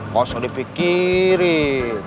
gak usah dipikirin